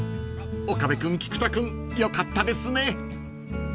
岡部君菊田君よかったですね］